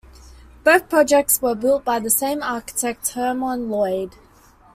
Both projects were built by the same architect, Hermon Lloyd.